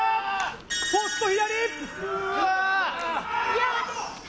ポスト左。